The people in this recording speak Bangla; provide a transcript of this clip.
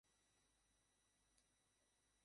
বিন্দুর ঘরের চেহারাও বিশেষ বদলায় নাই।